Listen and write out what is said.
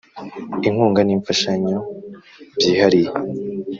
Inkunga N Imfashanyo Byihariye